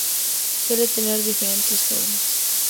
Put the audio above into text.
Suele tener diferentes formas.